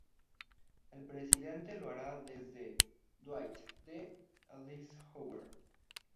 El presidente lo hará desde Dwight D. Eisenhower.